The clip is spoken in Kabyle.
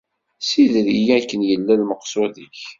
Ssider-iyi akken yella lmeqsud-ik!